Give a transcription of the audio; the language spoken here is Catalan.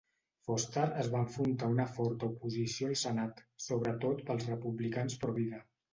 Foster es va enfrontar a una forta oposició al senat, sobretot pels republicans provida.